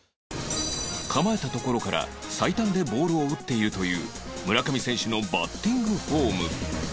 構えたところから最短でボールを打っているという村上選手のバッティングフォーム